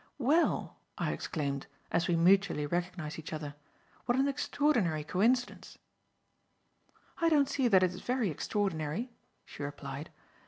"Well," I exclaimed, as we mutually recognized each other, "what an extraordinary coincidence!" "I don't see that it is very extraordinary," she replied.